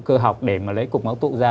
cơ học để mà lấy cục máu tụ ra